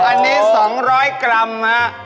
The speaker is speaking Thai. อันนี้๒๐๐กรัมฮะ